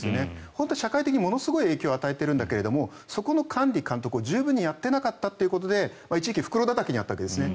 本当は社会的にものすごい影響を与えているんだけどそこの管理監督を十分にやっていなかったということで一時期袋だたきに遭ったわけですね。